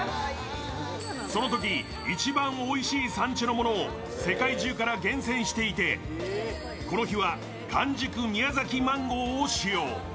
そのとき一番おいしい産地のものを世界中から厳選していてこの日は完熟宮崎マンゴーを使用。